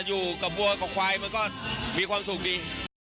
อยู่กับวัวกับควายมันก็มีความสุขดี